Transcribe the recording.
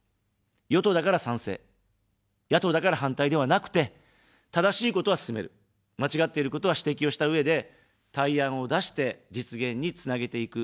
与党だから賛成、野党だから反対ではなくて、正しいことは進める、間違っていることは指摘をしたうえで、対案を出して実現につなげていく。